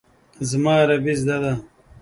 زما عربي زده ده.